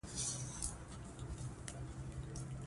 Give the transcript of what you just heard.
افغانستان له انار ډک دی.